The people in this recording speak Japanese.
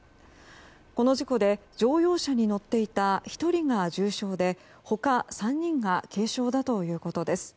この事故で乗用車に乗っていた１人が重傷で他３人が軽傷だということです。